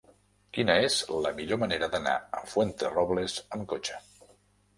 Quina és la millor manera d'anar a Fuenterrobles amb cotxe?